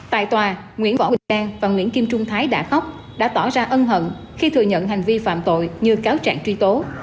tại tòa nguyễn võ trang và nguyễn kim trung thái đã khóc đã tỏ ra ân hận khi thừa nhận hành vi phạm tội như cáo trạng truy tố